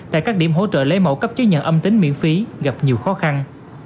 tại các điểm hỗ trợ lấy mẫu cấp chứng nhận âm tính miễn phí gặp nhiều khó khăn